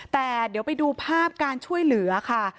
แต่เดี๋ยวไปดูภาพการช่วยเหลือค่ะ